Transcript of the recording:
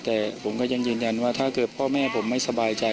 แต่ผมก็ยังยืนยันว่าถ้าเกิดพ่อแม่ผมไม่สบายใจ